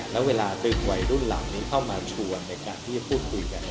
แล้วเวลาดึงวัยรุ่นเหล่านี้เข้ามาชวนในการที่จะพูดคุยกัน